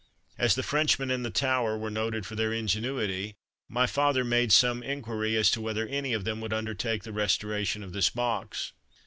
As "the Frenchmen" in the Tower were noted for their ingenuity, my father made some inquiry as to whether any of them would undertake the restoration of this box.